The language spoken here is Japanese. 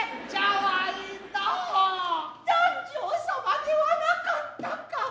彈正様ではなかったか。